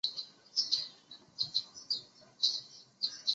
由断层陷落形成。